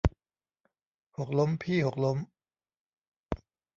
หกล้มพี่ หกล้ม